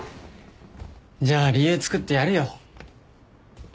じゃあ理由つくってやるよ。